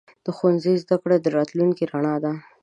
د ښوونځي زده کړه راتلونکې رڼا ده.